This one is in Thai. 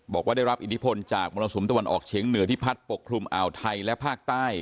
บอกว่าได้รับอิทธิพลจากมรสุมตะวันออกเฉียงเหนือที่พัดปกคลุมอ่าวไทยและภาคใต้